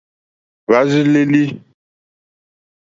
Hwá rzí lélí.